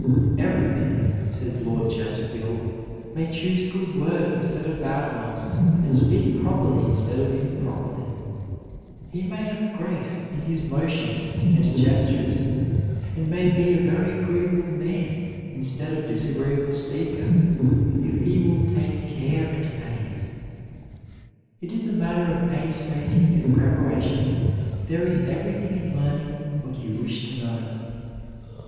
Every man, says Lord Chesterfield, may choose good words instead of bad ones and speak properly instead of improperly; he may have grace in his motions and gestures, and may be a very agreeable instead of disagreeable speaker if he will take care and pains. It is a matter of painstaking and preparation. There is everything in learning what you wish to know.